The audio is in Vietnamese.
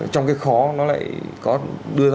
trong cái khó nó lại có đưa ra